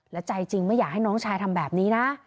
และใจจริงไม่อยากให้น้องชายทำแบบนี้นะ